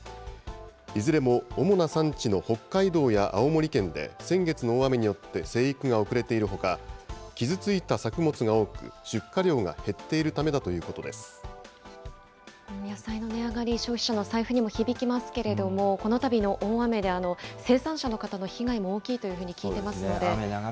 いずれも主な産地の北海道や青森県で先月の大雨によって生育が遅れているほか、傷ついた作物が多く、出荷量が減っているためだと野菜の値上がり、消費者の財布にもひびきますけれども、このたびの大雨で生産者の方の被害も大きいというふうに聞いてますので。